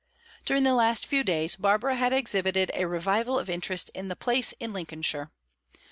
During the last few days, Barbara had exhibited a revival of interest in the "place in Lincolnshire."